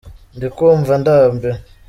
Ndikumva ndambiwe.